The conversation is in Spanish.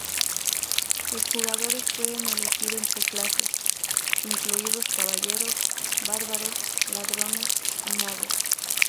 Los jugadores pueden elegir entre clases, incluidos caballeros, bárbaros, ladrones y magos.